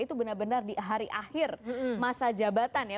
itu benar benar di hari akhir masa jabatan ya